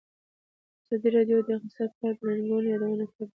ازادي راډیو د اقتصاد په اړه د ننګونو یادونه کړې.